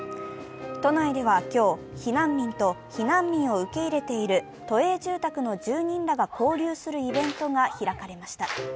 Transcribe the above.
都内では今日、避難民と避難民を受け入れている都営住宅の住人らが交流するイベントが開かれました。